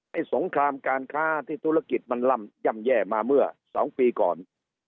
สงครามการค้าที่ธุรกิจมันล่ำย่ำแย่มาเมื่อ๒ปีก่อน